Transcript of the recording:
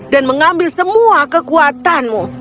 dan mengambil semua kekuatanmu